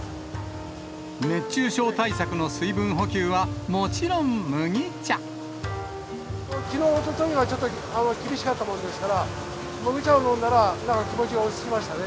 熱中症対策の水分補給は、きのう、おとといはちょっと厳しかったもんですから、麦茶を飲んだら、気持ちが落ち着きましたね。